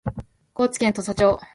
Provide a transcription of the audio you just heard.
高知県土佐町